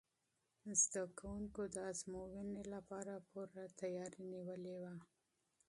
زده کوونکو د ازموینې لپاره پوره چمتووالی نیولی و.